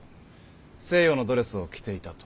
西洋のドレスを着ていたと。